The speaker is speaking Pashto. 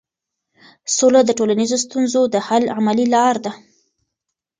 سوله د ټولنیزو ستونزو د حل عملي لار ده.